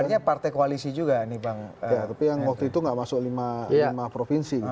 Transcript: ya tapi yang waktu itu nggak masuk lima provinsi